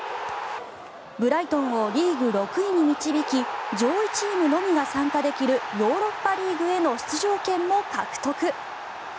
ブライトンをリーグ６位に導き上位チームのみが参加できるヨーロッパリーグへの出場権も獲得。